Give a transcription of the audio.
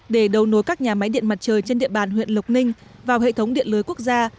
để đầu nối các nhà máy điện mặt trời trên địa bàn huyện lộc ninh vào hệ thống điện lưới quốc gia